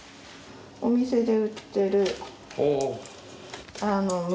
お店で売ってる。